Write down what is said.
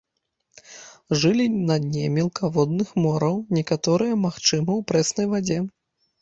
Жылі на дне мелкаводных мораў, некаторыя, магчыма, у прэснай вадзе.